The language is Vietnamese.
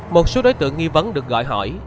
một số đối tượng nghi vấn được gọi hỏi